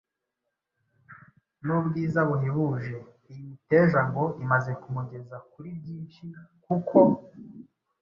n’ubwiza buhebuje. Iyi miteja ngo imaze kumugeza kuri byinshi kuko